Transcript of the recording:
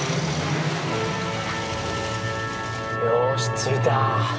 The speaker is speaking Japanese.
よし着いた。